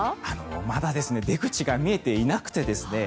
まだ出口が見えていなくてですね